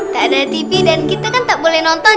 tak ada tv dan kita kan tak boleh nonton